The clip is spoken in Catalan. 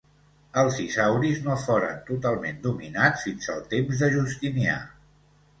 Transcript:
Els isauris no foren totalment dominats fins al temps de Justinià.